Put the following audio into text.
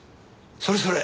それそれ！